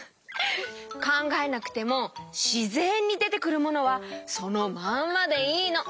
かんがえなくてもしぜんにでてくるものはそのまんまでいいの。